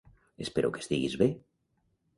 Espero que estiguis bé!